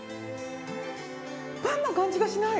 パンの感じがしない！